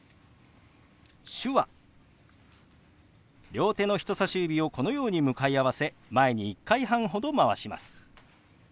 両手の人さし指をこのように向かい合わせ前に１回半ほどまわします。